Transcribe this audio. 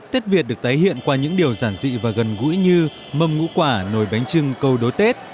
tết việt được tái hiện qua những điều giản dị và gần gũi như mâm ngũ quả nồi bánh trưng câu đối tết